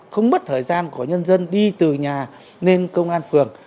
không mất thời gian của nhân dân đi từ nhà lên công an phường